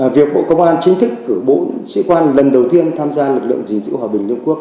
việc bộ công an chính thức cử bộ sĩ quan lần đầu tiên tham gia lực lượng di dịu hòa bình liên hợp quốc